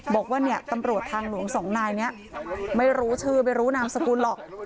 บอกว่าเนี่ยตำรวจทางหลวงสองนายนี้ไม่รู้ชื่อไม่รู้นามสกุลหรอก